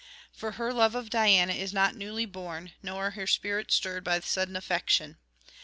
For her love of Diana is not newly born, nor her spirit stirred by sudden affection.